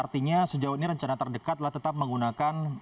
artinya sejauh ini rencana terdekatlah tetap menggunakan